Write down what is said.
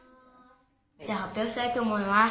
じゃあ発表したいと思います。